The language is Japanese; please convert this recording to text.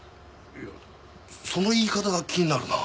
いやその言い方が気になるな。